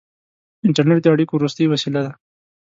• انټرنېټ د اړیکو وروستۍ وسیله ده.